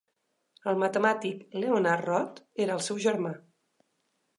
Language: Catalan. El matemàtic Leonard Roth era el seu germà.